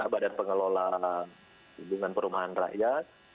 badan pengelola hubungan perumahan rakyat